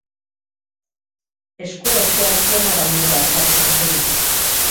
Esku hezeak piano gaineko arkatza hartu du.